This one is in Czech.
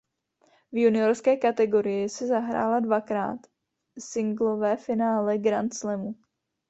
V juniorské kategorii si zahrála dvakrát singlové finále Grand Slamu.